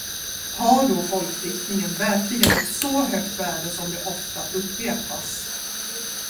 Har då folkdiktningen verkligen ett så högt värde som det ofta upprepas.